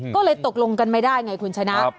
ก็เลยตกลงกันไม่ได้ไงคุณชนะ